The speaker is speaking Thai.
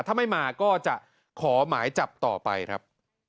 ถ้าไม่มาก็จะขอหมายจับต่อไปครับ